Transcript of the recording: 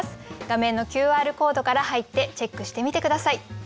画面のＱＲコードから入ってチェックしてみて下さい。